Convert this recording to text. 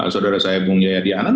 saudara saya bung jayadi hanan